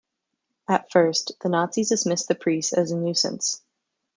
At first, the Nazis dismissed the priest as a nuisance.